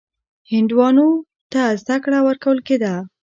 هندوانو ته زده کړه ورکول کېده.